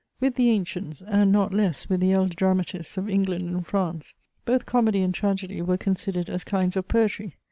With the ancients, and not less with the elder dramatists of England and France, both comedy and tragedy were considered as kinds of poetry.